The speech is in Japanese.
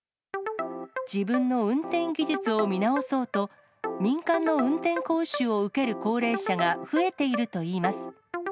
自分の運転技術を見直そうと、民間の運転講習を受ける高齢者が増えているといいます。